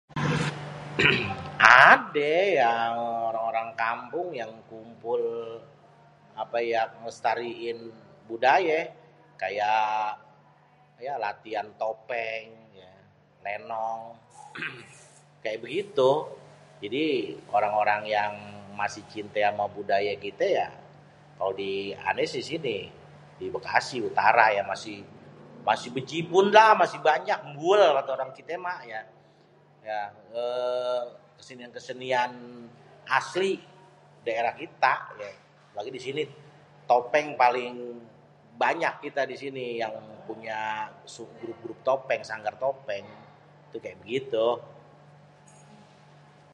adê yang orang kampung yang kumpul apê yang melastariin budayê kaya ya latian topeng ya lenong kaya bégitu jadi orang yang masi cinté amé budaya kité ya kalo di ané si sini dibekasi utara ya masi béjibun lah masi banyak êmbuêl kata orang kité mah ya ééé kesenian-kesenian asli daerah kita apelagi disini topeng paling banyak kité disini yang punya grup-grup topeng sanggar-sanggar topeng tu kaya begitu